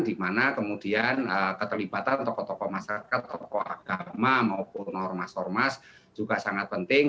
dimana kemudian keterlibatan tokoh tokoh masyarakat tokoh agama maupun ormas ormas juga sangat penting